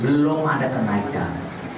belum ada kenaikan